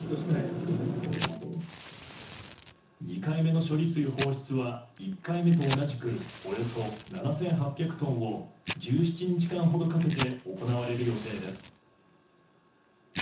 ２回目の処理水放出は１回目と同じくおよそ７８００トンを１７日間かけて行われる予定です。